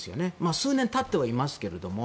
数年経ってはいますけども。